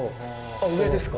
あっ上ですか？